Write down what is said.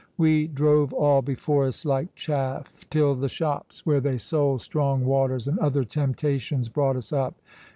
We drove all before us like chaff, till the shops, where they sold strong waters, and other temptations, brought us up.